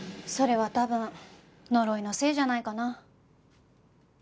それは多分呪いのせいじゃないかな？